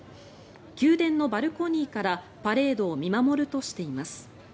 宮殿のバルコニーからパレードを見守るとしています。